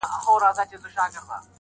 زه دي سر تر نوکه ستا بلا ګردان سم!!